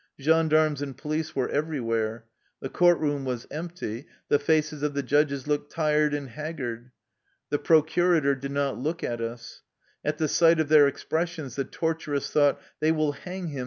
Gendarmes and police were everywhere. The court room was empty. The faces of the judges looked tired and haggard. The procura tor did not look at us. At the sight of their expressions the torturous thought, " They will hang him